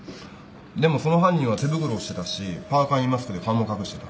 でもその犯人は手袋をしてたしパーカーにマスクで顔も隠してた。